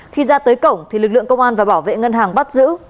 khi ra tới cổng thì lực lượng công an và bảo vệ ngân hàng bắt giữ